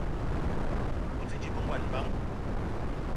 O te dje be ngon bang ?